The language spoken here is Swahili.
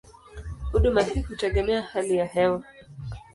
Huduma hii hutegemea hali ya hewa.